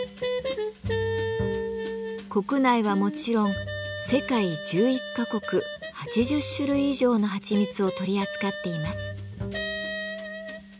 国内はもちろん世界１１か国８０種類以上のはちみつを取り扱っています。